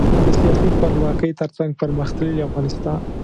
د سیاسي خپلواکۍ ترڅنګ پرمختللي افغانستان.